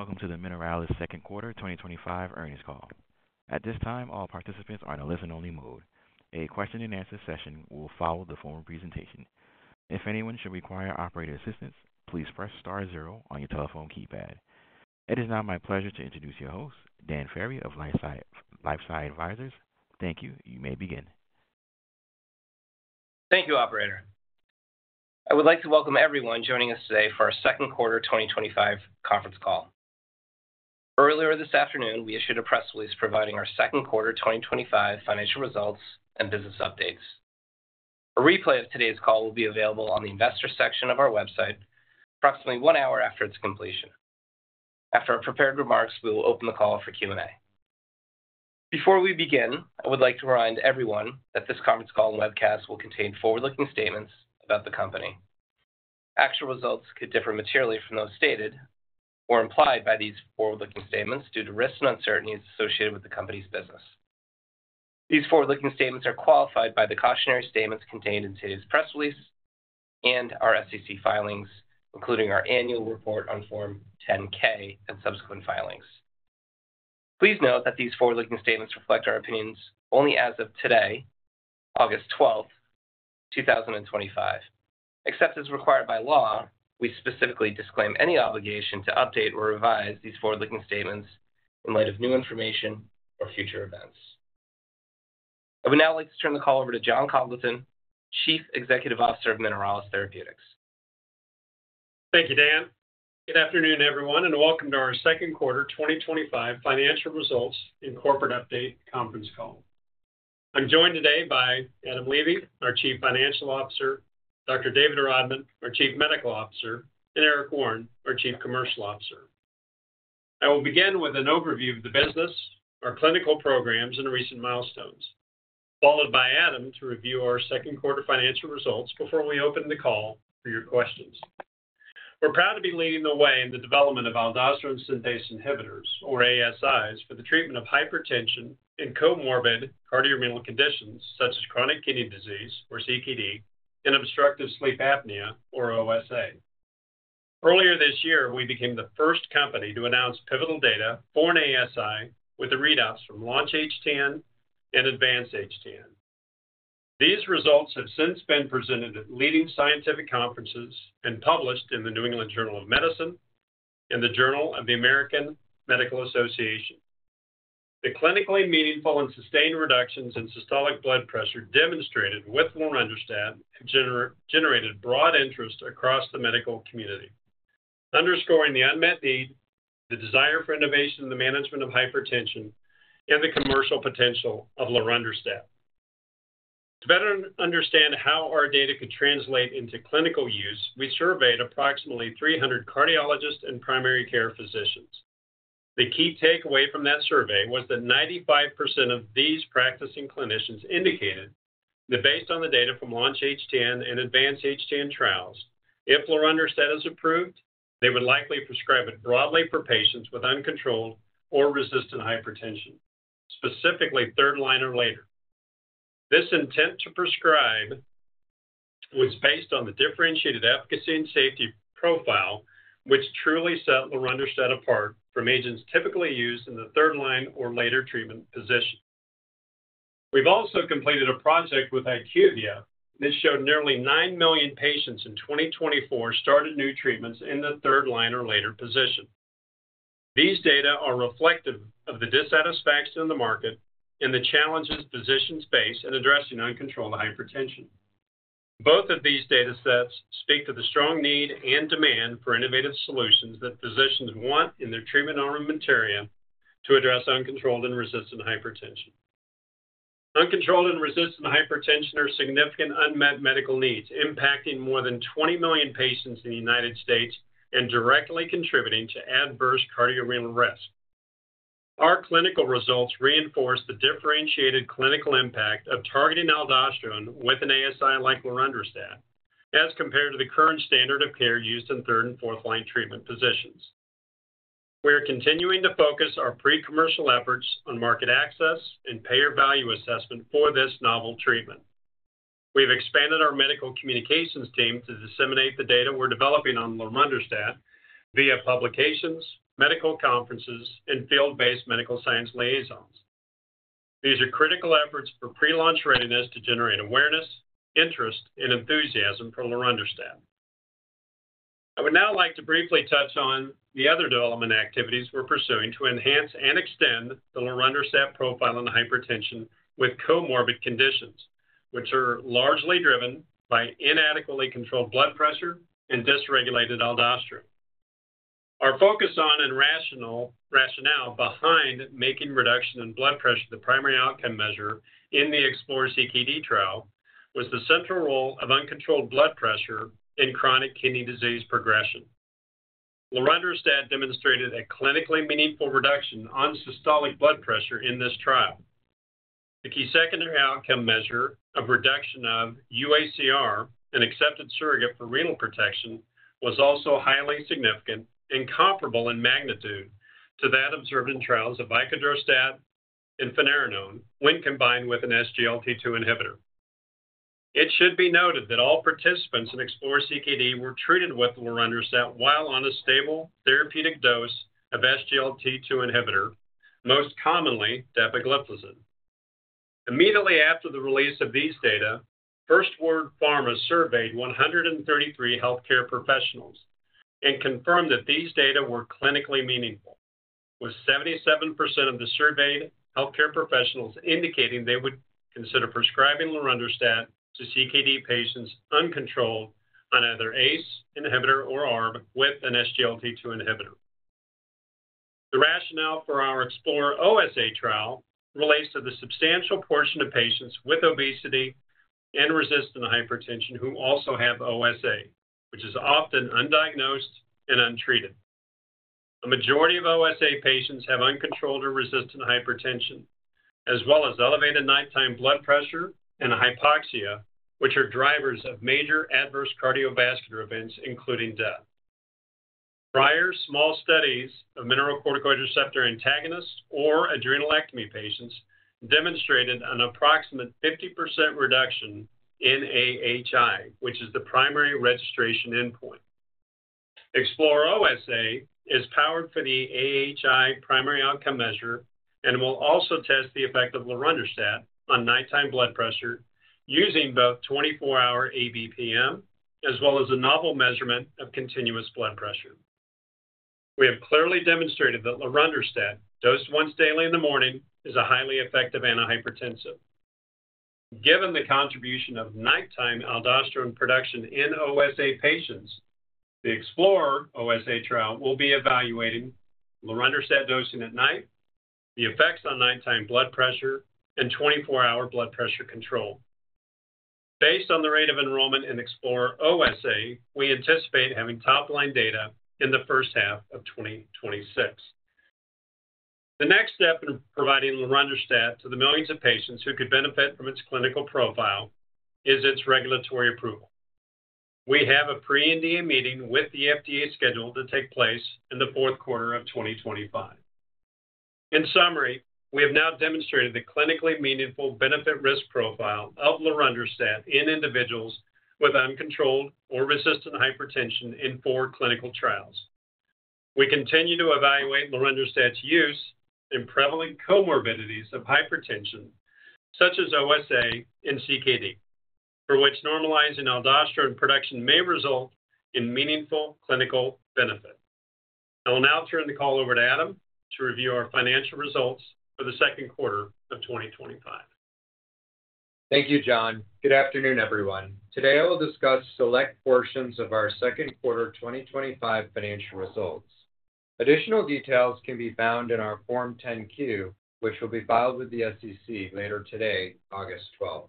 Greetings and welcome to the Mineralys Second Quarter 2025 Earnings Call. At this time, all participants are in a listen-only mode. A question and answer session will follow the formal presentation. If anyone should require operator assistance, please press star zero on your telephone keypad. It is now my pleasure to introduce your host, Dan Ferry of LifeSci Advisors. Thank you. You may begin. Thank you, operator. I would like to welcome everyone joining us today for our second quarter 2025 conference call. Earlier this afternoon, we issued a press release providing our second quarter 2025 financial results and business updates. A replay of today's call will be available on the investor section of our website approximately one hour after its completion. After our prepared remarks, we will open the call for Q&A. Before we begin, I would like to remind everyone that this conference call and webcast will contain forward-looking statements about the company. Actual results could differ materially from those stated or implied by these forward-looking statements due to risks and uncertainties associated with the company's business. These forward-looking statements are qualified by the cautionary statements contained in today's press release and our SEC filings, including our annual report on Form 10-K and subsequent filings. Please note that these forward-looking statements reflect our opinions only as of today, August 12, 2025. Except as required by law, we specifically disclaim any obligation to update or revise these forward-looking statements in light of new information or future events. I would now like to turn the call over to Jon Congleton, Chief Executive Officer of Mineralys Therapeutics. Thank you, Dan. Good afternoon, everyone, and welcome to our second quarter 2025 financial results and corporate update conference call. I'm joined today by Adam Levy, our Chief Financial Officer, Dr. David Rodman, our Chief Medical Officer, and Eric Warren, our Chief Commercial Officer. I will begin with an overview of the business, our clinical programs, and recent milestones, followed by Adam to review our second quarter financial results before we open the call for your questions. We're proud to be leading the way in the development of aldosterone synthase inhibitors, or ASIs, for the treatment of hypertension and comorbid cardiorenal conditions such as chronic kidney disease, or CKD, and obstructive sleep apnea, or OSA. Earlier this year, we became the first company to announce pivotal data for an ASI with the readouts from Launch-HTN and Advance-HTN. These results have since been presented at leading scientific conferences and published in the New England Journal of Medicine and the Journal of the American Medical Association. The clinically meaningful and sustained reductions in systolic blood pressure demonstrated with lorundrostat have generated broad interest across the medical community, underscoring the unmet need, the desire for innovation in the management of hypertension, and the commercial potential of lorundrostat. To better understand how our data could translate into clinical use, we surveyed approximately 300 cardiologists and primary care physicians. The key takeaway from that survey was that 95% of these practicing clinicians indicated that based on the data from Launch-HTN and Advance-HTN trials, if lorundrostat is approved, they would likely prescribe it broadly for patients with uncontrolled or resistant hypertension, specifically third-line or later. This intent to prescribe was based on the differentiated efficacy and safety profile, which truly set lorundrostat apart from agents typically used in the third-line or later treatment position. We've also completed a project with IQVIA, and it showed nearly 9 million patients in 2024 started new treatments in the third-line or later position. These data are reflective of the dissatisfaction in the market and the challenges physicians face in addressing uncontrolled hypertension. Both of these datasets speak to the strong need and demand for innovative solutions that physicians want in their treatment armamentarium to address uncontrolled and resistant hypertension. Uncontrolled and resistant hypertension are significant unmet medical needs, impacting more than 20 million patients in the United States and directly contributing to adverse cardiorenal risk. Our clinical results reinforce the differentiated clinical impact of targeting aldosterone with an ASI like lorundrostat as compared to the current standard of care used in third and fourth-line treatment positions. We are continuing to focus our pre-commercial efforts on market access and payer value assessment for this novel treatment. We've expanded our medical communications team to disseminate the data we're developing on lorundrostat via publications, medical conferences, and field-based medical science liaisons. These are critical efforts for pre-launch readiness to generate awareness, interest, and enthusiasm for lorundrostat. I would now like to briefly touch on the other development activities we're pursuing to enhance and extend the lorundrostat profile on hypertension with comorbid conditions, which are largely driven by inadequately controlled blood pressure and dysregulated aldosterone. Our focus on and rationale behind making reduction in blood pressure the primary outcome measure in the Explore-CKD trial was the central role of uncontrolled blood pressure in chronic kidney disease progression. Lorundrostat demonstrated a clinically meaningful reduction on systolic blood pressure in this trial. The key secondary outcome measure of reduction of UACR, an accepted surrogate for renal protection, was also highly significant and comparable in magnitude to that observed in trials of vicadrostat and finerenone when combined with an SGLT2 inhibitor. It should be noted that all participants in Explore-CKD were treated with lorundrostat while on a stable therapeutic dose of SGLT2 inhibitor, most commonly dapagliflozin. Immediately after the release of these data, First Word Pharma surveyed 133 healthcare professionals and confirmed that these data were clinically meaningful, with 77% of the surveyed healthcare professionals indicating they would consider prescribing lorundrostat to CKD patients uncontrolled on either ACE inhibitor or ARB with an SGLT2 inhibitor. The rationale for our Explore-OSA trial relates to the substantial portion of patients with obesity and resistant hypertension who also have OSA, which is often undiagnosed and untreated. A majority of OSA patients have uncontrolled or resistant hypertension, as well as elevated nighttime blood pressure and hypoxia, which are drivers of major adverse cardiovascular events, including death. Prior small studies of mineralocorticoid receptor antagonists or adrenalectomy patients demonstrated an approximate 50% reduction in AHI, which is the primary registration endpoint. Explore-OSA is powered for the AHI primary outcome measure and will also test the effect of lorundrostat on nighttime blood pressure using both 24-hour ABPM as well as a novel measurement of continuous blood pressure. We have clearly demonstrated that lorundrostat dosed once daily in the morning is a highly effective antihypertensive. Given the contribution of nighttime aldosterone production in OSA patients, the Explore-OSA trial will be evaluating lorundrostat dosing at night, the effects on nighttime blood pressure, and 24-hour blood pressure control. Based on the rate of enrollment in Explore-OSA, we anticipate having top-line data in the first half of 2026. The next step in providing lorundrostat to the millions of patients who could benefit from its clinical profile is its regulatory approval. We have a pre-NDA meeting with the FDA scheduled to take place in the fourth quarter of 2025. In summary, we have now demonstrated the clinically meaningful benefit-risk profile of lorundrostat in individuals with uncontrolled or resistant hypertension in four clinical trials. We continue to evaluate lorundrostat's use in prevalent comorbidities of hypertension, such as OSA and CKD, for which normalizing aldosterone production may result in meaningful clinical benefit. I will now turn the call over to Adam to review our financial results for the second quarter of 2025. Thank you, Jon. Good afternoon, everyone. Today, I will discuss select portions of our second quarter 2025 financial results. Additional details can be found in our Form 10-Q, which will be filed with the SEC later today, August 12th.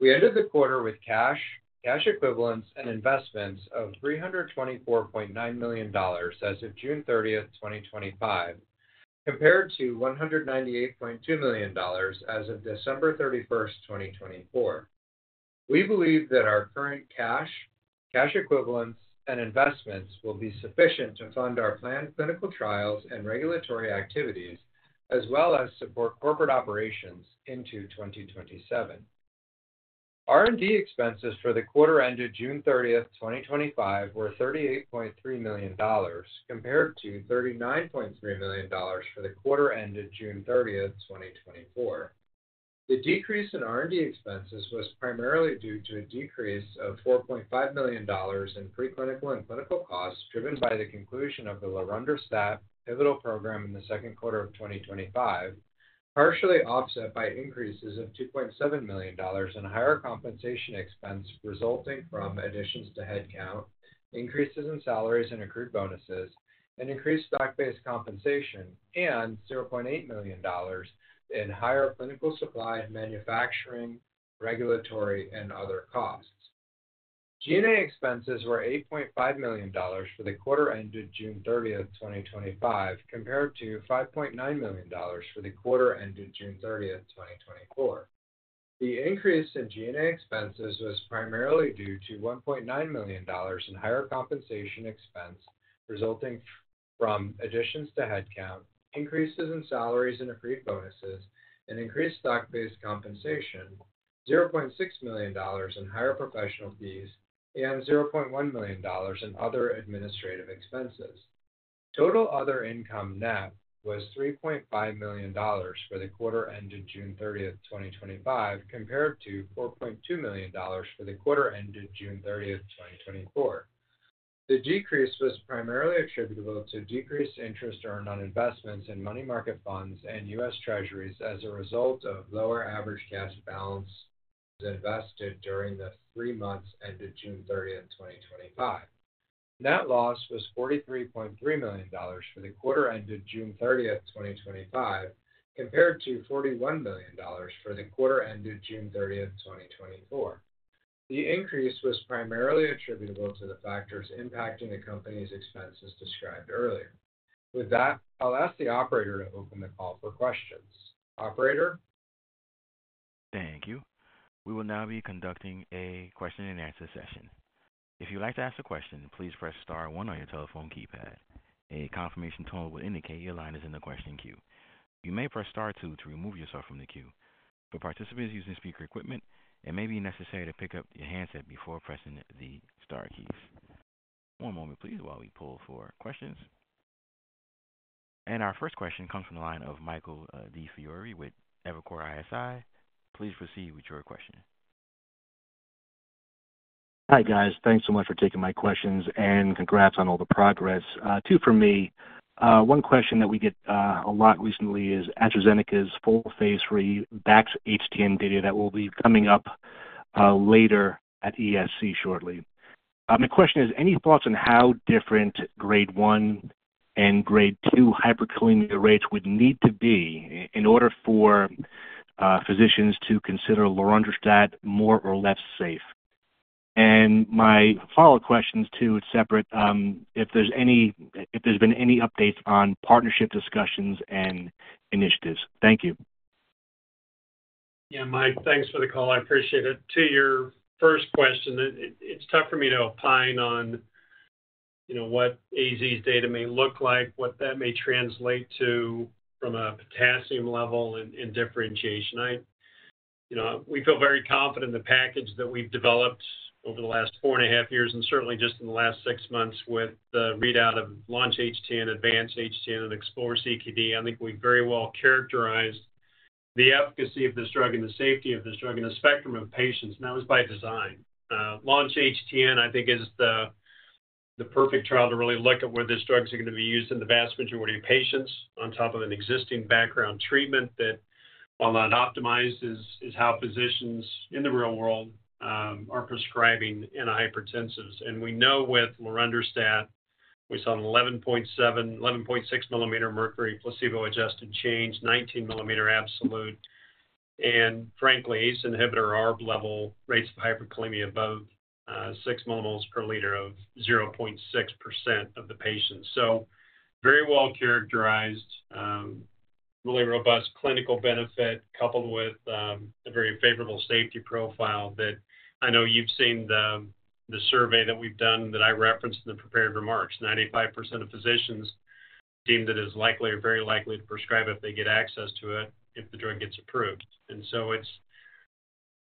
We ended the quarter with cash, cash equivalents, and investments of $324.9 million as of June 30th, 2025, compared to $198.2 million as of December 31st, 2024. We believe that our current cash, cash equivalents, and investments will be sufficient to fund our planned clinical trials and regulatory activities, as well as support corporate operations into 2027. R&D expenses for the quarter ended June 30th, 2025, were $38.3 million, compared to $39.3 million for the quarter ended June 30th, 2024. The decrease in R&D expenses was primarily due to a decrease of $4.5 million in preclinical and clinical costs driven by the conclusion of the lorundrostat pivotal program in the second quarter of 2025, partially offset by increases of $2.7 million in higher compensation expense resulting from additions to headcount, increases in salaries and accrued bonuses, and increased stock-based compensation, and $0.8 million in higher clinical supply, manufacturing, regulatory, and other costs. G&A expenses were $8.5 million for the quarter ended June 30th, 2025, compared to $5.9 million for the quarter ended June 30th, 2024. The increase in G&A expenses was primarily due to $1.9 million in higher compensation expense resulting from additions to headcount, increases in salaries and accrued bonuses, and increased stock-based compensation, $0.6 million in higher professional fees, and $0.1 million in other administrative expenses. Total other income net was $3.5 million for the quarter ended June 30th, 2025, compared to $4.2 million for the quarter ended June 30th, 2024. The decrease was primarily attributable to decreased interest earned on investments in money market bonds and U.S. Treasuries as a result of lower average cash balance invested during the three months ended June 30th, 2025. Net loss was $43.3 million for the quarter ended June 30th, 2025, compared to $41 million for the quarter ended June 30th, 2024. The increase was primarily attributable to the factors impacting the company's expenses described earlier. With that, I'll ask the operator to open the call for questions. Operator? Thank you. We will now be conducting a question and answer session. If you would like to ask a question, please press star one on your telephone keypad. A confirmation tone will indicate your line is in the question queue. You may press star two to remove yourself from the queue. For participants using speaker equipment, it may be necessary to pick up your handset before pressing the star keys. One moment, please, while we pull for questions. Our first question comes from the line of Michael DiFiore with Evercore ISI. Please proceed with your question. Hi guys, thanks so much for taking my questions and congrats on all the progress. Two from me. One question that we get a lot recently is AstraZeneca's full phase III BaxHTN data that will be coming up later at ESC shortly. My question is, any thoughts on how different Grade 1 and Grade 2 hyperkalemia rates would need to be in order for physicians to consider lorundrostat more or less safe? My follow-up question is, it's separate, if there's been any updates on partnership discussions and initiatives. Thank you. Yeah, Mike, thanks for the call. I appreciate it. To your first question, it's tough for me to opine on what AZ's data may look like, what that may translate to from a potassium level and differentiation. We feel very confident in the package that we've developed over the last 4.5 years and certainly just in the last six months with the readout of Launch-HTN, Advance-HTN, and Explore-CKD. I think we very well characterized the efficacy of this drug and the safety of this drug in a spectrum of patients, and that was by design. Launch-HTN, I think, is the perfect trial to really look at where these drugs are going to be used in the vast majority of patients on top of an existing background treatment that, while not optimized, is how physicians in the real world are prescribing antihypertensives. We know with lorundrostat, we saw an 11.7 mm, 11.6 mm mercury placebo-adjusted change, 19 mm absolute, and frankly, ACE inhibitor ARB level rates of hyperkalemia of both, 6 mmol/L of 0.6% of the patients. Very well characterized, really robust clinical benefit coupled with a very favorable safety profile that I know you've seen the survey that we've done that I referenced in the prepared remarks. 95% of physicians deemed it as likely or very likely to prescribe if they get access to it if the drug gets approved. We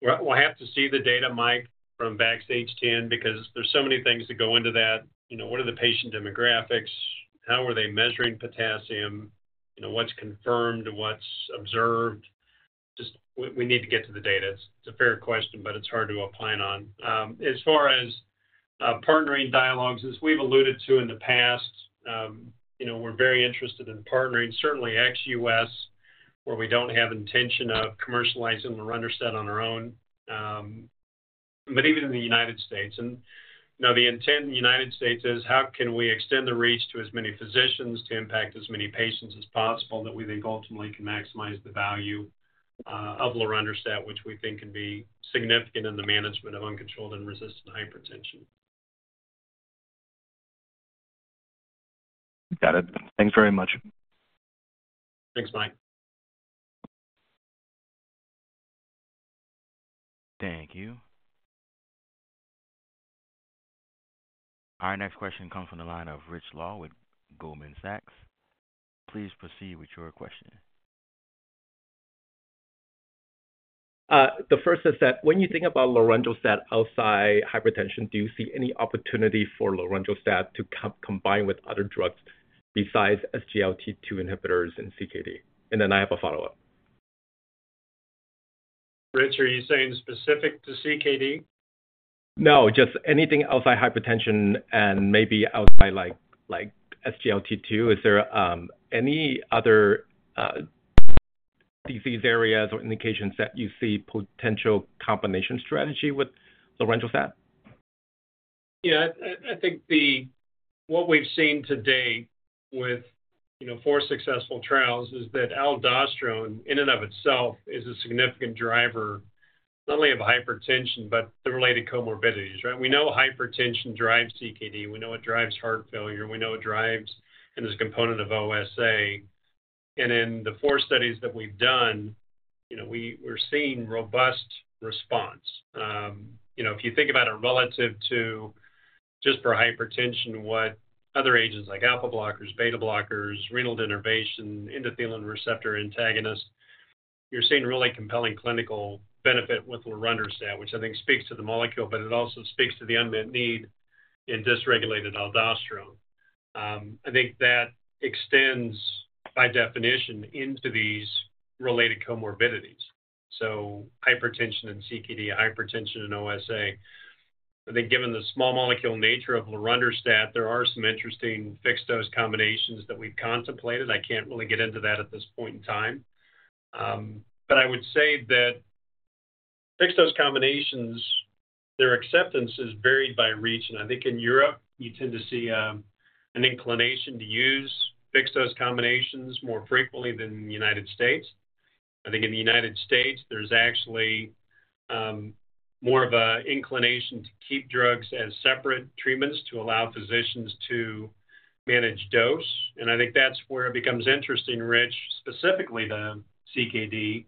will have to see the data, Mike, from BaxHTN because there's so many things that go into that. What are the patient demographics? How are they measuring potassium? What's confirmed? What's observed? We need to get to the data. It's a fair question, but it's hard to opine on. As far as partnering dialogues, as we've alluded to in the past, we're very interested in partnering, certainly ex-U.S., where we don't have intention of commercializing lorundrostat on our own, but even in the United States. The intent in the United States is how can we extend the reach to as many physicians to impact as many patients as possible that we think ultimately can maximize the value of lorundrostat, which we think can be significant in the management of uncontrolled and resistant hypertension. You got it. Thanks very much. Thanks, Mike. Thank you. Our next question comes from the line of Rich Law with Goldman Sachs. Please proceed with your question. The first is that when you think about lorundrostat outside hypertension, do you see any opportunity for lorundrostat to combine with other drugs besides SGLT2 inhibitors in CKD? I have a follow-up. Rich, are you saying specific to CKD? No, just anything outside hypertension and maybe outside like SGLT2. Is there any other disease areas or indications that you see potential combination strategy with lorundrostat? Yeah, I think what we've seen to date with, you know, four successful trials is that aldosterone in and of itself is a significant driver not only of hypertension, but related comorbidities, right? We know hypertension drives CKD. We know it drives heart failure. We know it drives and is a component of OSA. In the four studies that we've done, we're seeing robust response. If you think about it relative to just for hypertension, what other agents like alpha blockers, beta blockers, renal denervation, endothelin receptor antagonists, you're seeing really compelling clinical benefit with lorundrostat, which I think speaks to the molecule, but it also speaks to the unmet need in dysregulated aldosterone. I think that extends by definition into these related comorbidities. Hypertension and CKD, hypertension and OSA. I think given the small molecule nature of lorundrostat, there are some interesting fixed dose combinations that we've contemplated. I can't really get into that at this point in time. I would say that fixed dose combinations, their acceptance is varied by region. I think in Europe, you tend to see an inclination to use fixed dose combinations more frequently than the United States. I think in the United States, there's actually more of an inclination to keep drugs as separate treatments to allow physicians to manage dose. I think that's where it becomes interesting, Rich, specifically the CKD,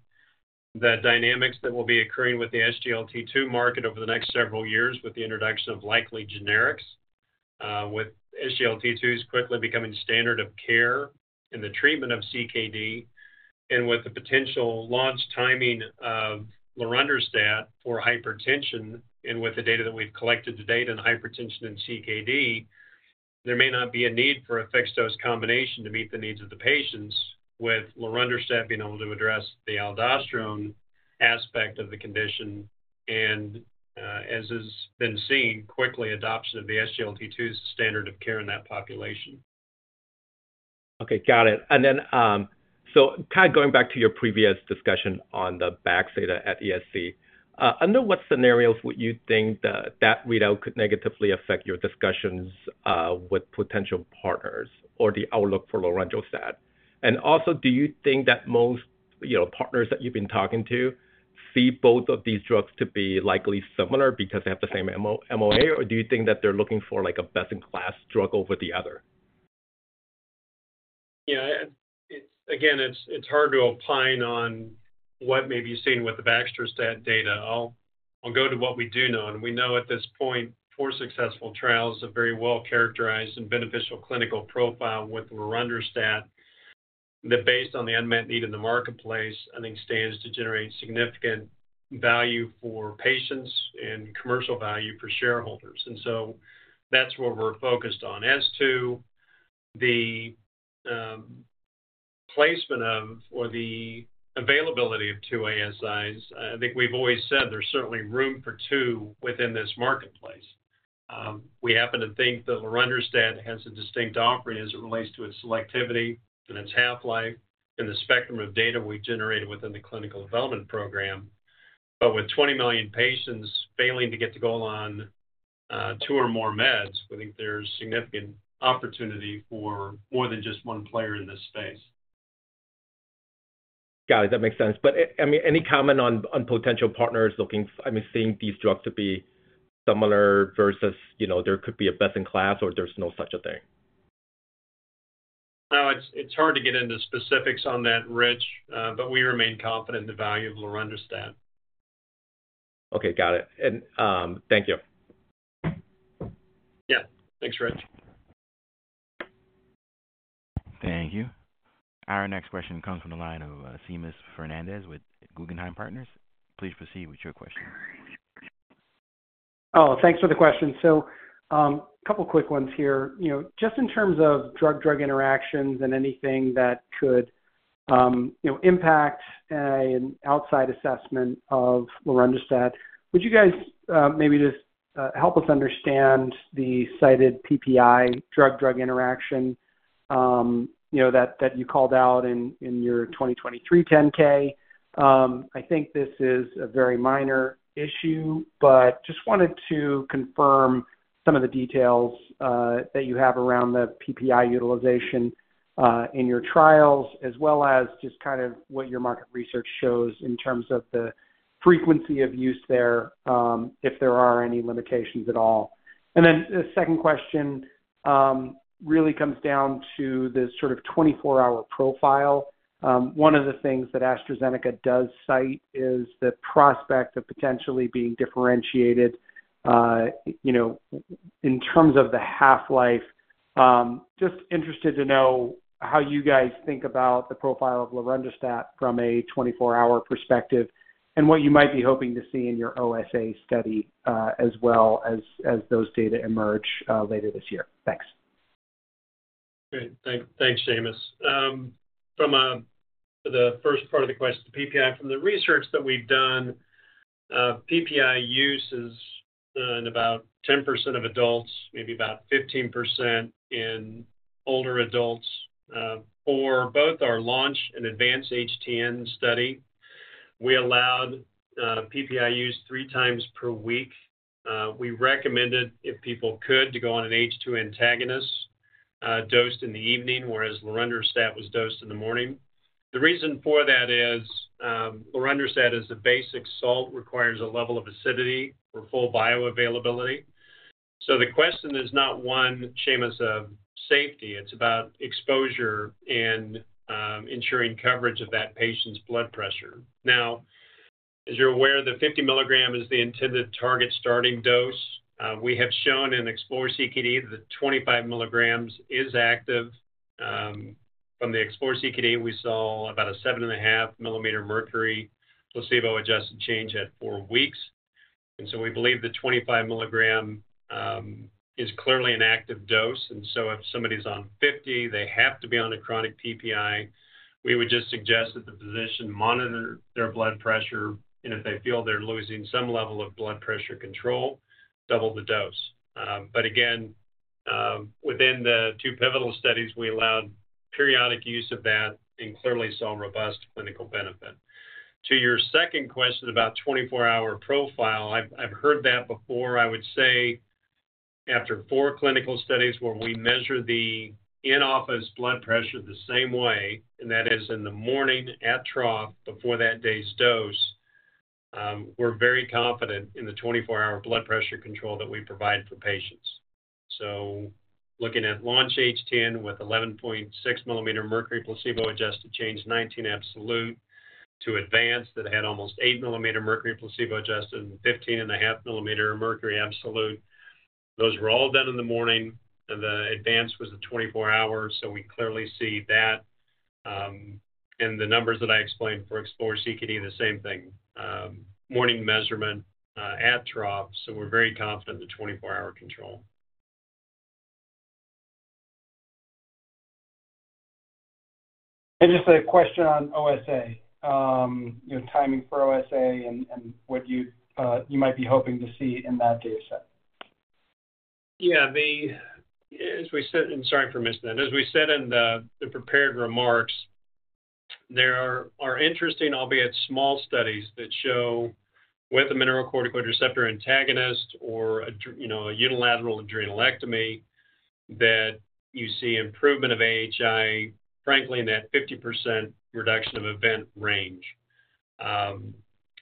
the dynamics that will be occurring with the SGLT2 market over the next several years with the introduction of likely generics, with SGLT2s quickly becoming standard of care in the treatment of CKD, and with the potential launch timing of lorundrostat for hypertension, and with the data that we've collected to date on hypertension and CKD, there may not be a need for a fixed dose combination to meet the needs of the patients with lorundrostat being able to address the aldosterone aspect of the condition, and as has been seen, quick adoption of the SGLT2s standard of care in that population. Okay, got it. Kind of going back to your previous discussion on the batch data at ESC, under what scenarios would you think that that readout could negatively affect your discussions with potential partners or the outlook for lorundrostat? Also, do you think that most partners that you've been talking to see both of these drugs to be likely similar because they have the same MOA, or do you think that they're looking for like a best-in-class drug over the other? Yeah, again, it's hard to opine on what may be seen with the Baxter stat data. I'll go to what we do know, and we know at this point, four successful trials have very well characterized and beneficial clinical profile with lorundrostat that based on the unmet need in the marketplace, I think stands to generate significant value for patients and commercial value for shareholders. That's what we're focused on. As to the placement of or the availability of two ASIs, I think we've always said there's certainly room for two within this marketplace. We happen to think that lorundrostat has a distinct offering as it relates to its selectivity and its half-life in the spectrum of data we've generated within the clinical development program. With 20 million patients failing to get to go on two or more meds, we think there's significant opportunity for more than just one player in this space. Got it. That makes sense. Any comment on potential partners looking, seeing these drugs to be similar versus, you know, there could be a best-in-class or there's no such a thing? Oh, it's hard to get into specifics on that, Rich, but we remain confident in the value of lorundrostat. Okay, got it. Thank you. Yeah, thanks, Rich. Thank you. Our next question comes from the line of Seamus Fernandez with Guggenheim Partners. Please proceed with your question. Thanks for the question. A couple of quick ones here. Just in terms of drug-drug interactions and anything that could impact an outside assessment of lorundrostat, would you guys maybe just help us understand the cited PPI drug-drug interaction that you called out in your 2023 10-K? I think this is a very minor issue, but just wanted to confirm some of the details that you have around the PPI utilization in your trials, as well as what your market research shows in terms of the frequency of use there, if there are any limitations at all. The second question really comes down to the sort of 24-hour profile. One of the things that AstraZeneca does cite is the prospect of potentially being differentiated in terms of the half-life. Just interested to know how you guys think about the profile of lorundrostat from a 24-hour perspective and what you might be hoping to see in your OSA study as those data emerge later this year. Thanks. Great. Thanks, Seamus. From the first part of the question, the PPI, from the research that we've done, PPI use is in about 10% of adults, maybe about 15% in older adults. For both our Launch-HTN and Advance-HTN study, we allowed PPI use 3x per week. We recommended, if people could, to go on an H2 antagonist dosed in the evening, whereas lorundrostat was dosed in the morning. The reason for that is lorundrostat is a basic salt, requires a level of acidity for full bioavailability. The question is not one, Seamus, of safety. It's about exposure and ensuring coverage of that patient's blood pressure. Now, as you're aware, the 50 mg is the intended target starting dose. We have shown in Explore-CKD that 25 mg is active. From the Explore-CKD, we saw about a 7.5 mm mercury placebo-adjusted change at four weeks. We believe the 25 mg is clearly an active dose. If somebody's on 50 mg, they have to be on a chronic PPI. We would just suggest that the physician monitor their blood pressure, and if they feel they're losing some level of blood pressure control, double the dose. Within the two pivotal studies, we allowed periodic use of that and clearly saw robust clinical benefit. To your second question about 24-hour profile, I've heard that before. I would say after four clinical studies where we measure the in-office blood pressure the same way, and that is in the morning at trough before that day's dose, we're very confident in the 24-hour blood pressure control that we provide for patients. Looking at Launch-HTN with 11.6 mm mercury placebo-adjusted change, 19 mm absolute, to Advance-HTN that had almost 8 mm mercury placebo-adjusted and 15.5 mm mercury absolute. Those were all done in the morning, and the Advance-HTN was the 24-hour, so we clearly see that. The numbers that I explained for Explore-CKD, the same thing. Morning measurement at trough, so we're very confident in the 24-hour control. Just a question on OSA. You know, timing for OSA and what you might be hoping to see in that data set. Yeah, as we said in the prepared remarks, there are interesting, albeit small studies that show with a mineralocorticoid receptor antagonist or a unilateral adrenalectomy that you see improvement of AHI, frankly, in that 50% reduction of event range.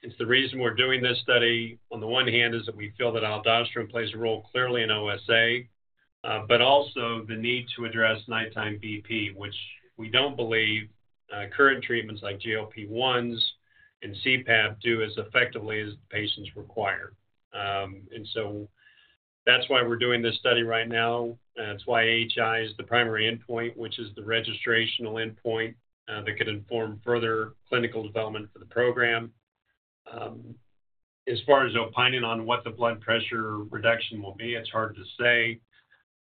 It's the reason we're doing this study. On the one hand, we feel that aldosterone plays a role clearly in OSA, but also the need to address nighttime BP, which we don't believe current treatments like GLP-1s and CPAP do as effectively as patients require. That's why we're doing this study right now. That's why AHI is the primary endpoint, which is the registrational endpoint that could inform further clinical development for the program. As far as opining on what the blood pressure reduction will be, it's hard to say.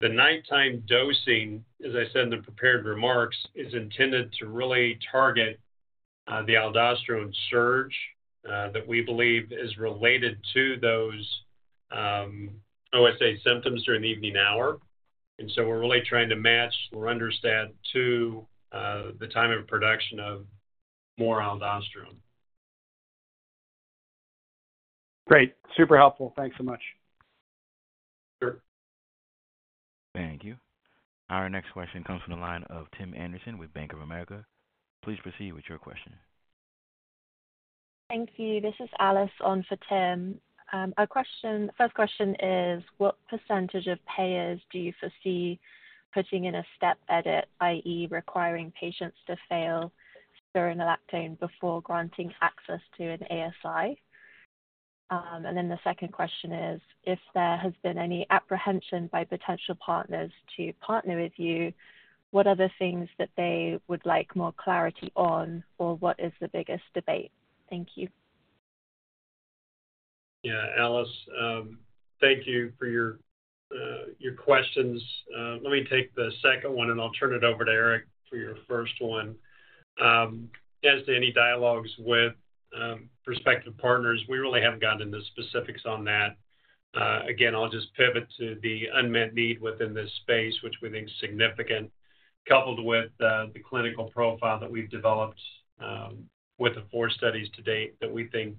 The nighttime dosing, as I said in the prepared remarks, is intended to really target the aldosterone surge that we believe is related to those OSA symptoms during the evening hour. We're really trying to match lorundrostat to the time of production of more aldosterone. Great. Super helpful. Thanks so much. Sure. Thank you. Our next question comes from the line of Tim Anderson with Bank of America. Please proceed with your question. Thank you. This is Alice on for Tim. Our question, first question is, what % of payers do you foresee putting in a step-edit, i.e., requiring patients to fail spironolactone before granting access to an ASI? The second question is, if there has been any apprehension by potential partners to partner with you, what are the things that they would like more clarity on, or what is the biggest debate? Thank you. Yeah, Alice, thank you for your questions. Let me take the second one, and I'll turn it over to Eric for your first one. As to any dialogues with prospective partners, we really haven't gotten into specifics on that. I'll just pivot to the unmet need within this space, which we think is significant, coupled with the clinical profile that we've developed with the four studies to date that we think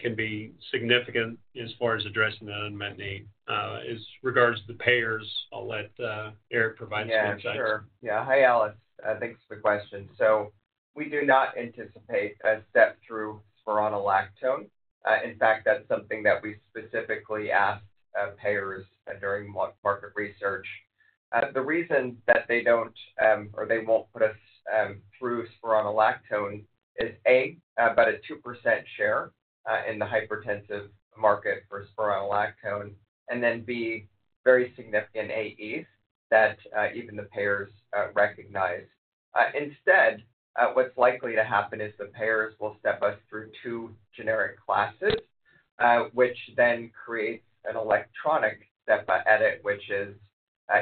can be significant as far as addressing the unmet need. As regards to the payers, I'll let Eric provide the insights. Yeah, sure. Hi, Alice. Thanks for the question. We do not anticipate a step through spironolactone. In fact, that's something that we specifically ask payers during market research. The reason that they don't or they won't put us through spironolactone is, A, about a 2% share in the hypertensive market for spironolactone, and, B, very significant AEs that even the payers recognize. Instead, what's likely to happen is the payers will step us through two generic classes, which then create an electronic step-by-edit, which is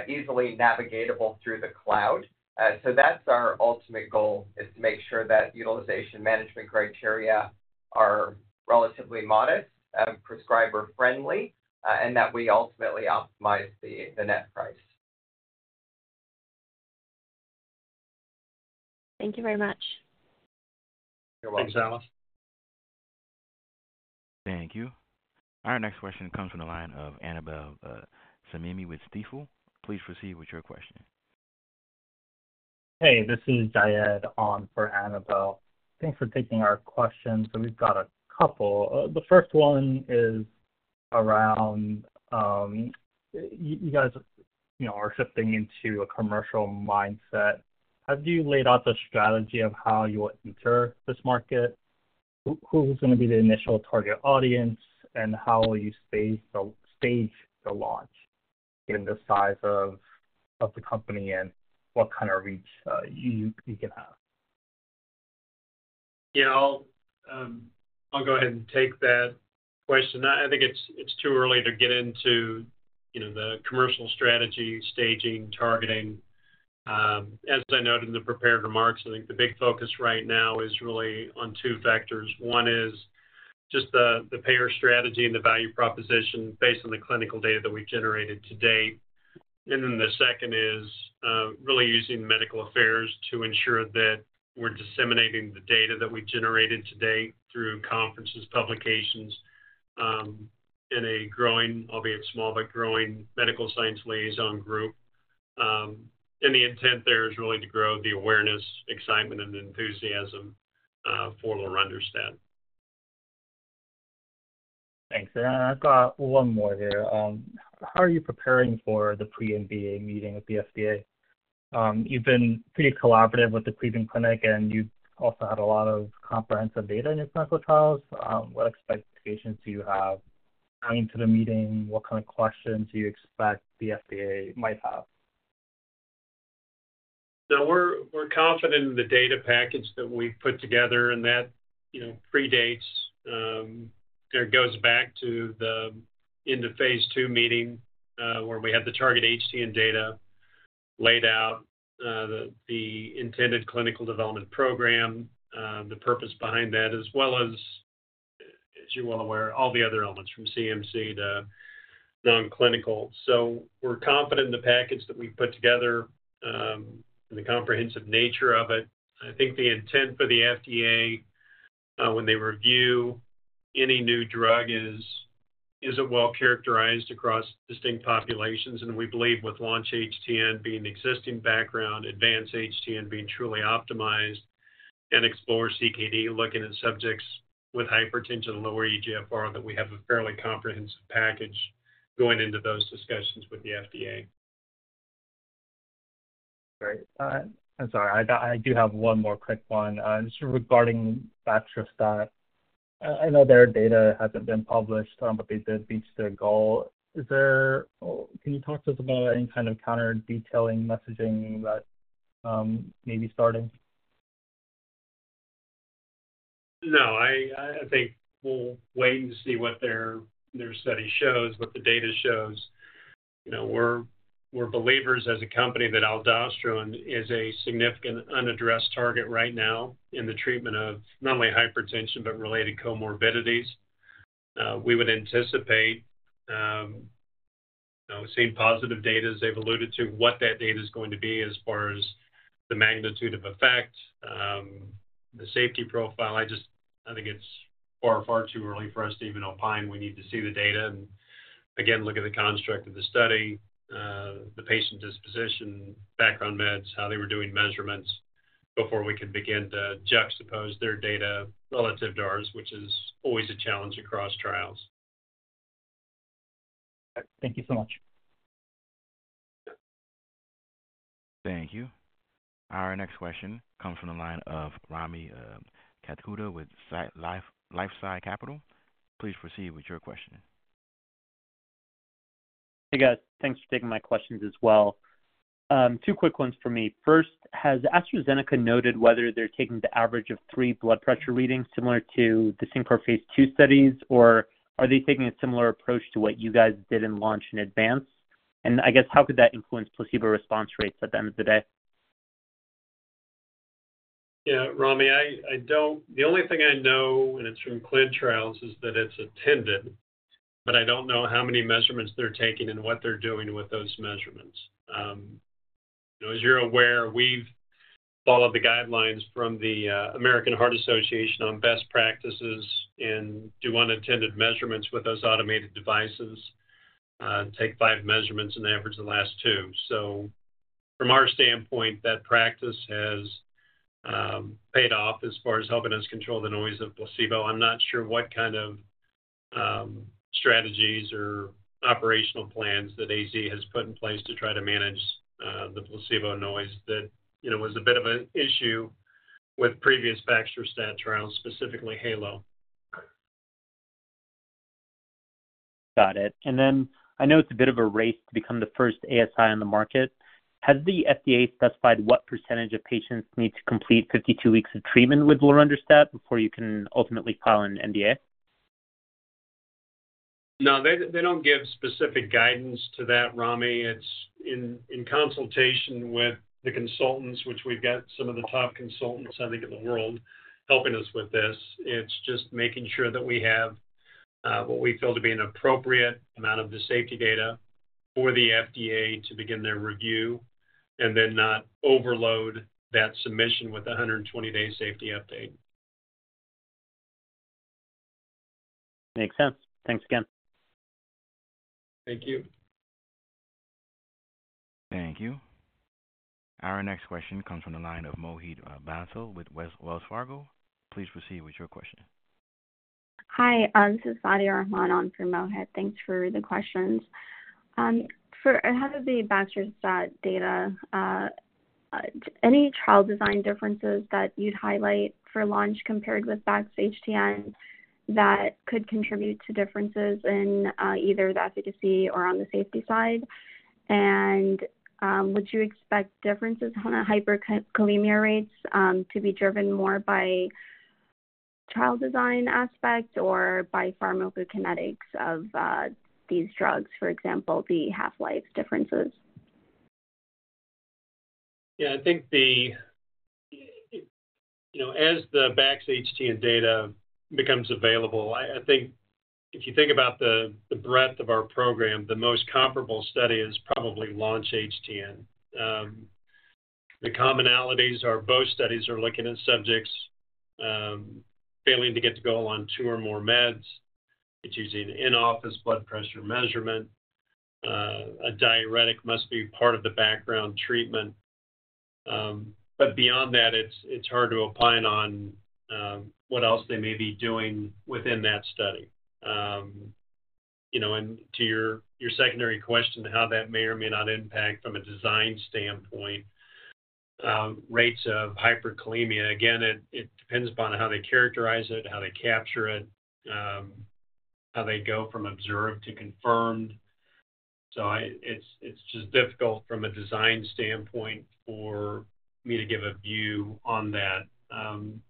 easily navigatable through the cloud. That's our ultimate goal, to make sure that utilization management criteria are relatively modest, prescriber-friendly, and that we ultimately optimize the net price. Thank you very much. You're welcome. Thanks, Alice. Thank you. Our next question comes from the line of Annabel Samimy with Stifel. Please proceed with your question. Hey, this is Diane on for Annabel. Thanks for taking our questions. We've got a couple. The first one is around, you guys are shifting into a commercial mindset. Have you laid out the strategy of how you will enter this market? Who's going to be the initial target audience? How will you stage the launch given the size of the company and what kind of reach you can have? Yeah, I'll go ahead and take that question. I think it's too early to get into the commercial strategy, staging, targeting. As I noted in the prepared remarks, I think the big focus right now is really on two vectors. One is just the payer strategy and the value proposition based on the clinical data that we've generated to date. The second is really using medical affairs to ensure that we're disseminating the data that we've generated to date through conferences, publications, in a growing, albeit small, but growing medical science liaison group. The intent there is really to grow the awareness, excitement, and enthusiasm for lorundrostat. Thanks. I've got one more here. How are you preparing for the pre-NDA meeting with the FDA? You've been pretty collaborative with the Cleveland Clinic, and you've also had a lot of comprehensive data in your clinical trials. What expectations do you have coming to the meeting? What kind of questions do you expect the FDA might have? We are confident in the data package that we've put together, and that predates, or goes back to the end of phase II meeting where we have the target HTN data laid out, the intended clinical development program, the purpose behind that, as well as, as you're well aware, all the other elements from CMC to non-clinical. We are confident in the package that we've put together and the comprehensive nature of it. I think the intent for the FDA when they review any new drug is it is well characterized across distinct populations. We believe with Launch-HTN being the existing background, Advance-HTN being truly optimized, and Explore-CKD looking at subjects with hypertension and lower eGFR that we have a fairly comprehensive package going into those discussions with the FDA. All right. I'm sorry. I do have one more quick one. This is regarding Baxter. I know their data hasn't been published, but they did reach their goal. Is there, can you talk to us about any kind of counter-detailing messaging that may be starting? No, I think we'll wait and see what their study shows, what the data shows. We're believers as a company that aldosterone is a significant unaddressed target right now in the treatment of not only hypertension, but related comorbidities. We would anticipate seeing positive data as they've alluded to. What that data is going to be as far as the magnitude of effect, the safety profile, I think it's far, far too early for us to even opine. We need to see the data and, again, look at the construct of the study, the patient disposition, background meds, how they were doing measurements before we could begin to juxtapose their data relative to ours, which is always a challenge across trials. Thank you so much. Thank you. Our next question comes from the line of Rami Katkhuda with LifeSci Capital. Please proceed with your question. Hey, guys. Thanks for taking my questions as well. Two quick ones for me. First, has AstraZeneca noted whether they're taking the average of three blood pressure readings similar to the Singapore Phase II studies, or are they taking a similar approach to what you guys did in Launch-HTN and Advance-HTN? I guess, how could that influence placebo response rates at the end of the day? Yeah, Rami, I don't, the only thing I know, and it's from clinical trials, is that it's attended, but I don't know how many measurements they're taking and what they're doing with those measurements. As you're aware, we've followed the guidelines from the American Heart Association on best practices and do unattended measurements with those automated devices, take five measurements and average the last two. From our standpoint, that practice has paid off as far as helping us control the noise of placebo. I'm not sure what kind of strategies or operational plans that AZ has put in place to try to manage the placebo noise that, you know, was a bit of an issue with previous Baxter trials, specifically Halo. Got it. I know it's a bit of a race to become the first ASI on the market. Has the FDA specified what % of patients need to complete 52 weeks of treatment with lorundrostat before you can ultimately file an NDA? No, they don't give specific guidance to that, Rami. It's in consultation with the consultants, which we've got some of the top consultants, I think, in the world helping us with this. It's just making sure that we have what we feel to be an appropriate amount of the safety data for the FDA to begin their review, and then not overload that submission with a 120-day safety update. Makes sense. Thanks again. Thank you. Thank you. Our next question comes from the line of Mohit Bansal with Wells Fargo. Please proceed with your question. Hi, this is Sadia Rahman on for Mohit. Thanks for the questions. For ahead of the Baxter data, any trial design differences that you'd highlight for Launch compared with BaxHTN that could contribute to differences in either the efficacy or on the safety side? Would you expect differences on hyperkalemia rates to be driven more by trial design aspects or by pharmacokinetics of these drugs, for example, the half-life differences? I think as the BaxHTN data becomes available, if you think about the breadth of our program, the most comparable study is probably LAUNCH HTN. The commonalities are both studies are looking at subjects failing to get to goal on two or more meds. It's using in-office blood pressure measurement. A diuretic must be part of the background treatment. Beyond that, it's hard to opine on what else they may be doing within that study. To your secondary question to how that may or may not impact from a design standpoint, rates of hyperkalemia, again, it depends upon how they characterize it, how they capture it, how they go from observed to confirmed. It's just difficult from a design standpoint for me to give a view on that.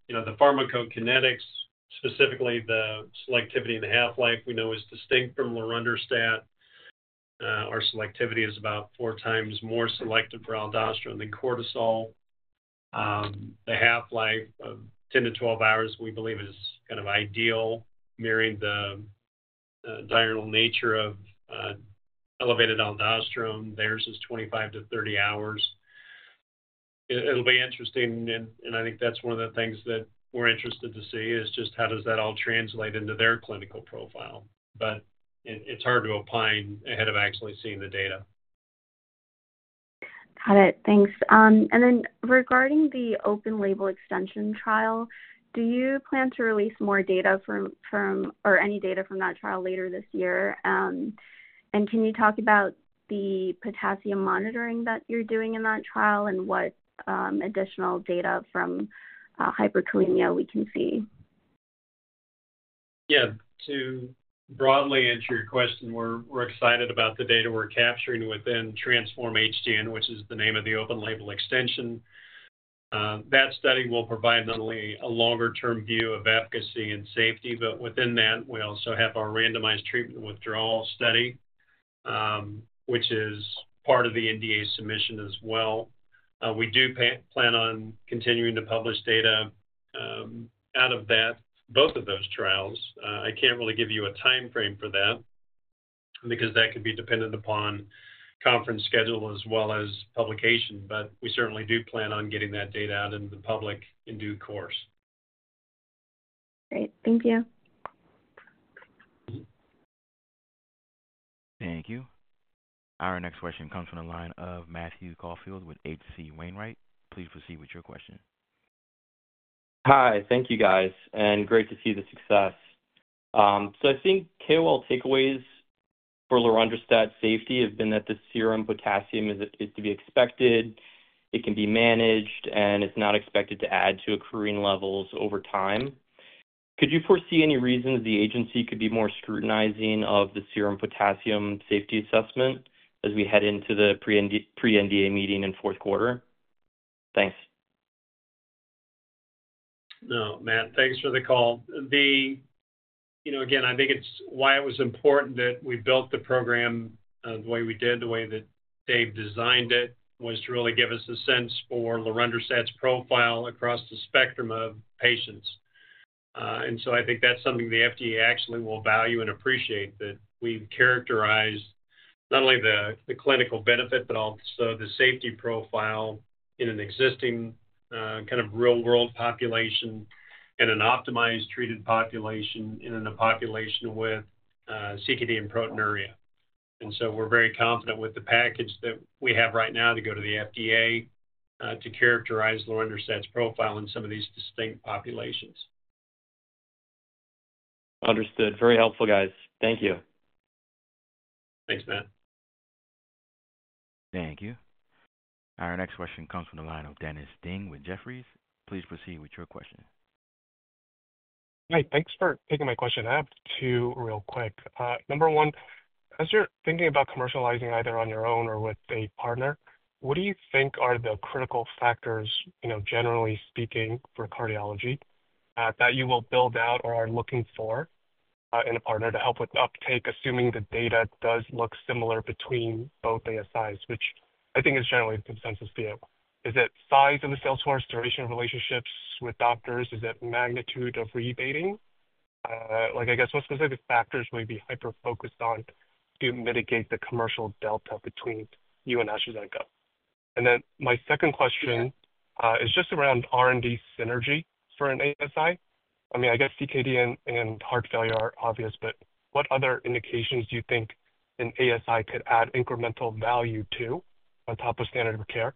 The pharmacokinetics, specifically the selectivity and the half-life, we know is distinct from lorundrostat. Our selectivity is about four times more selective for aldosterone than cortisol. The half-life of 10-12 hours, we believe, is kind of ideal, mirroring the diurnal nature of elevated aldosterone. Theirs is 25-30 hours. It'll be interesting, and I think that's one of the things that we're interested to see is just how does that all translate into their clinical profile. It's hard to opine ahead of actually seeing the data. Got it. Thanks. Regarding the open-label extension trial, do you plan to release more data from, or any data from that trial later this year? Can you talk about the potassium monitoring that you're doing in that trial and what additional data from hyperkalemia we can see? Yeah, to broadly answer your question, we're excited about the data we're capturing within Transform-HTN, which is the name of the open-label extension. That study will provide not only a longer-term view of efficacy and safety, but within that, we also have our randomized treatment withdrawal study, which is part of the NDA submission as well. We do plan on continuing to publish data out of both of those trials. I can't really give you a timeframe for that because that could be dependent upon conference schedule as well as publication. We certainly do plan on getting that data out into the public in due course. Great. Thank you. Thank you. Our next question comes from the line of Matthew Caulfield with H.C. Wainwright. Please proceed with your question. Hi. Thank you, guys, and great to see the success. I think KOL takeaways for lorundrostat safety have been that the serum potassium is to be expected. It can be managed, and it's not expected to add to occurring levels over time. Could you foresee any reasons the agency could be more scrutinizing of the serum potassium safety assessment as we head into the pre-NDA meeting in fourth quarter? Thanks. No, Matt. Thanks for the call. I think it's why it was important that we built the program the way we did, the way that Dave designed it, was to really give us a sense for lorundrostat's profile across the spectrum of patients. I think that's something the FDA actually will value and appreciate, that we've characterized not only the clinical benefit, but also the safety profile in an existing kind of real-world population and an optimized treated population in a population with chronic kidney disease and proteinuria. We're very confident with the package that we have right now to go to the FDA to characterize lorundrostat's profile in some of these distinct populations. Understood. Very helpful, guys. Thank you. Thanks, Matt. Thank you. Our next question comes from the line of Dennis Ding with Jefferies. Please proceed with your question. Hi. Thanks for taking my question. I have two real quick. Number one, as you're thinking about commercializing either on your own or with a partner, what do you think are the critical factors, you know, generally speaking, for cardiology that you will build out or are looking for in a partner to help with uptake, assuming the data does look similar between both ASIs, which I think is generally the consensus field? Is it size of the salesforce, duration of relationships with doctors? Is it magnitude of rebating? What specific factors may be hyper-focused on to mitigate the commercial delta between you and AstraZeneca? My second question is just around R&D synergy for an ASI. I mean, I guess CKD and heart failure are obvious, but what other indications do you think an ASI could add incremental value to on top of standard of care?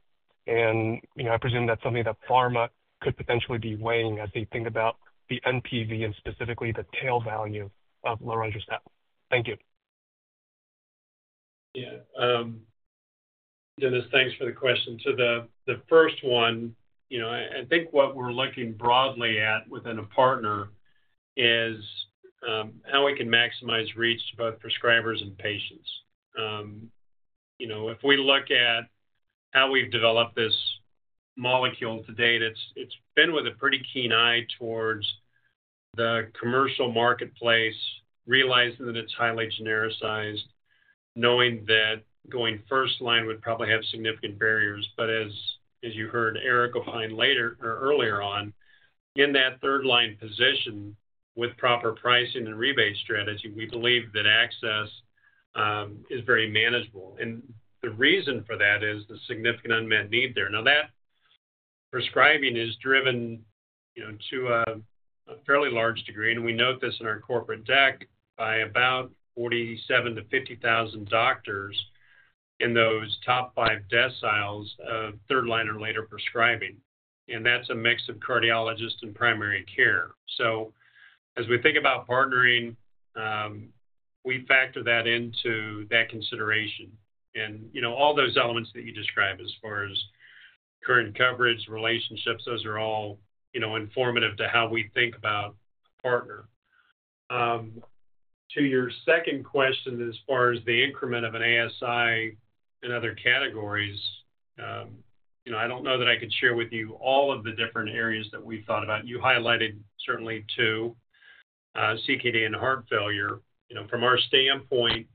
I presume that's something that pharma could potentially be weighing as they think about the NPV and specifically the tail value of lorundrostat. Thank you. Yeah. Thanks for the question. To the first one, I think what we're looking broadly at within a partner is how we can maximize reach to both prescribers and patients. If we look at how we've developed this molecule to date, it's been with a pretty keen eye towards the commercial marketplace, realizing that it's highly genericized, knowing that going first line would probably have significant barriers. As you heard Eric opine later or earlier on, in that third-line position with proper pricing and rebate strategy, we believe that access is very manageable. The reason for that is the significant unmet need there. That prescribing is driven to a fairly large degree, and we note this in our corporate deck, by about 47,000-50,000 doctors in those top five deciles of third-line and later prescribing. That's a mix of cardiologists and primary care. As we think about partnering, we factor that into that consideration. All those elements that you described as far as current coverage, relationships, those are all informative to how we think about a partner. To your second question, as far as the increment of an ASI in other categories, I don't know that I could share with you all of the different areas that we've thought about. You highlighted certainly two, CKD and heart failure. From our standpoint,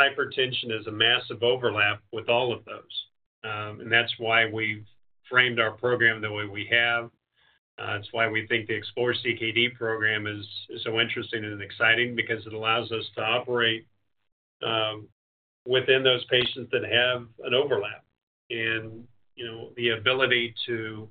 hypertension is a massive overlap with all of those. That's why we've framed our program the way we have. That's why we think the Explore-CKD program is so interesting and exciting because it allows us to operate within those patients that have an overlap. The ability to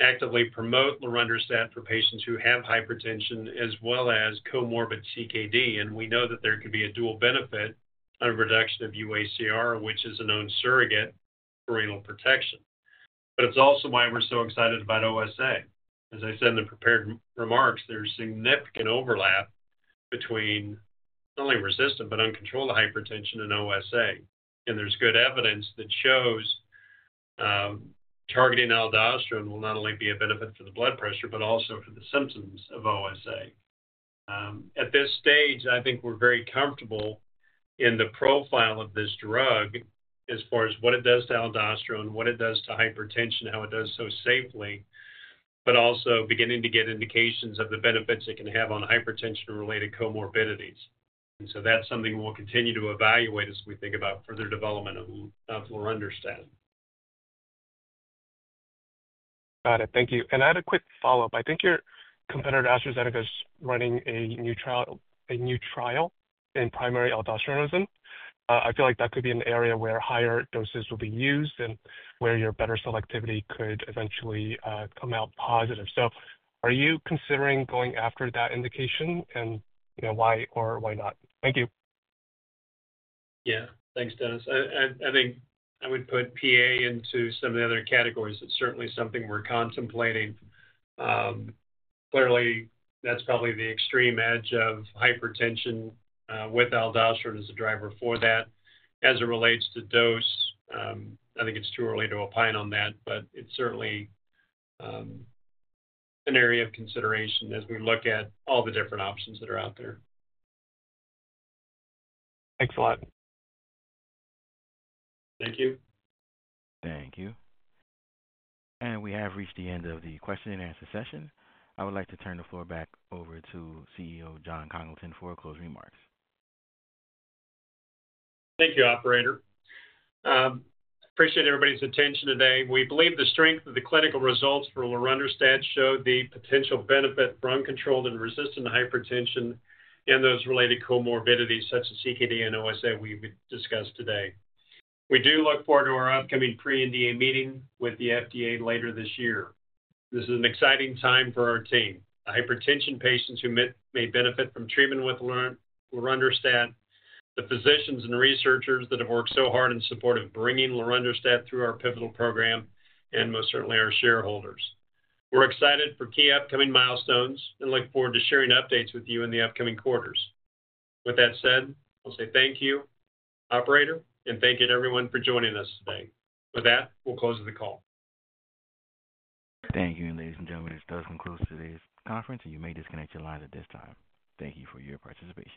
actively promote lorundrostat for patients who have hypertension as well as comorbid CKD. We know that there could be a dual benefit on reduction of UACR, which is a known surrogate for renal protection. It's also why we're so excited about OSA. As I said in the prepared remarks, there's significant overlap between not only resistant but uncontrolled hypertension and OSA. There's good evidence that shows targeting aldosterone will not only be a benefit for the blood pressure but also for the symptoms of OSA. At this stage, I think we're very comfortable in the profile of this drug as far as what it does to aldosterone, what it does to hypertension, how it does so safely, but also beginning to get indications of the benefits it can have on hypertension-related comorbidities. That's something we'll continue to evaluate as we think about further development of lorundrostat. Got it. Thank you. I had a quick follow-up. I think your competitor, AstraZeneca, is running a new trial in primary aldosteronism. I feel like that could be an area where higher doses will be used and where your better selectivity could eventually come out positive. Are you considering going after that indication? You know, why or why not? Thank you. Thanks, Dennis. I think I would put PA into some of the other categories. It's certainly something we're contemplating. Clearly, that's probably the extreme edge of hypertension with aldosterone as a driver for that. As it relates to dose, I think it's too early to opine on that, but it's certainly an area of consideration as we look at all the different options that are out there. Thanks a lot. Thank you. Thank you. We have reached the end of the question and answer session. I would like to turn the floor back over to CEO Jon Congleton for closing remarks. Thank you, operator. Appreciate everybody's attention today. We believe the strength of the clinical results for lorundrostat showed the potential benefit for uncontrolled and resistant hypertension and those related comorbidities such as CKD and OSA we've discussed today. We do look forward to our upcoming pre-NDA meeting with the FDA later this year. This is an exciting time for our team, the hypertension patients who may benefit from treatment with lorundrostat, the physicians and researchers that have worked so hard in support of bringing lorundrostat through our pivotal program, and most certainly our shareholders. We're excited for key upcoming milestones and look forward to sharing updates with you in the upcoming quarters. With that said, I'll say thank you, operator, and thank you to everyone for joining us today. With that, we'll close the call. Thank you. Ladies and gentlemen, this does conclude today's conference, and you may disconnect your lines at this time. Thank you for your participation.